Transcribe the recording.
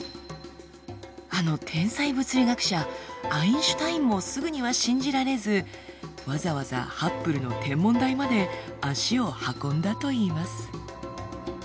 あの天才物理学者アインシュタインもすぐには信じられずわざわざハッブルの天文台まで足を運んだといいます。